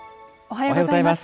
おはようございます。